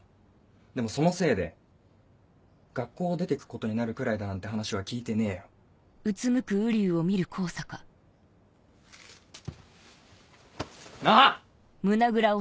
でもそのせいで学校を出てくことになるくらいだなんて話は聞いてねえよ。なぁ！